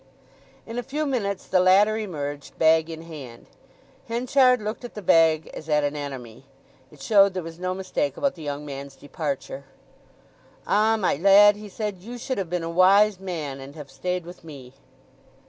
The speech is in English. In a few minutes the latter emerged, bag in hand. Henchard looked at the bag as at an enemy. It showed there was no mistake about the young man's departure. "Ah, my lad," he said, "you should have been a wise man, and have stayed with me."